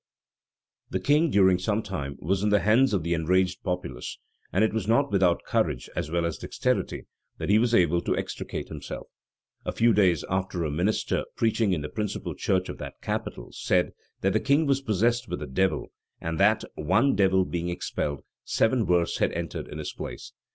[]* Spotswood. 1596. 17th Dec. 1596. The king, during some time, was in the hands of the enraged populace; and it was not without courage, as well as dexterity, that he was able to extricate himself.[*] A few days after, a minister, preaching in the principal church of that capital, said, that the king was possessed with a devil; and that, one devil being expelled, seven worse had entered in his place.